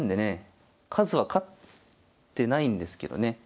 数は勝ってないんですけどね。